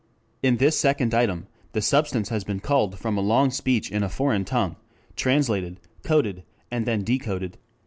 In this second item the substance has been culled from a long speech in a foreign tongue, translated, coded, and then decoded.